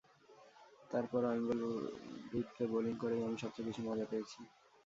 তার পরও আমি বলব, ভিভকে বোলিং করেই আমি সবচেয়ে বেশি মজা পেয়েছি।